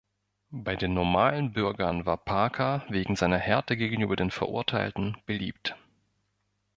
Bei den normalen Bürgern war Parker wegen seiner Härte gegenüber den Verurteilten beliebt.